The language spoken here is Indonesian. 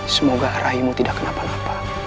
semoga raimu tidak kenapa napa